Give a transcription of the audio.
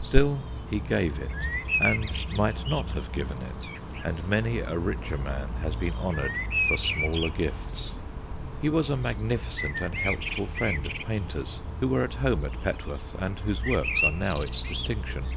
Still, he gave it, and might not have given it, and many a richer man has been honoured for smaller gifts. He was a magnificent and helpful friend of painters, who were at home at Petworth, and whose works are now its distinction.